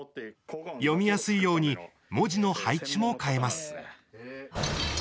読みやすいように文字の配置も変えます。